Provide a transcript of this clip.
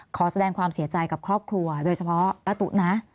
ขอแสดงความเสียใจกับครอบครัวโดยเฉพาะป้าตุ๊นะ